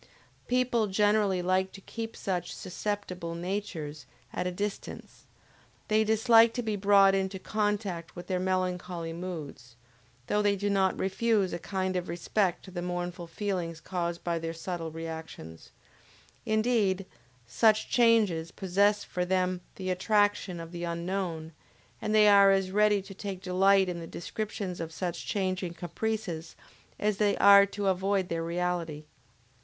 People generally like to keep such "susceptible natures" at a distance; they dislike to be brought into contact with their melancholy moods, though they do not refuse a kind of respect to the mournful feelings caused by their subtle reactions; indeed such changes possess for them the attraction of the unknown and they are as ready to take delight in the description of such changing caprices, as they are to avoid their reality.